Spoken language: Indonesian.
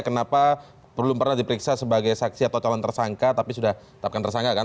kenapa belum pernah diperiksa sebagai saksi atau calon tersangka tapi sudah tetapkan tersangka kan